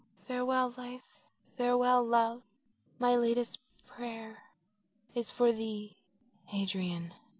Farewell life, farewell love; my latest prayer is for thee, Adrian.